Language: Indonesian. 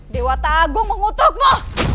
dewa tagung mengutukmu